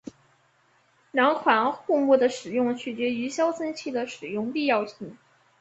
两款护木的使用取决于消声器的使用必要性。